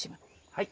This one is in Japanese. はい。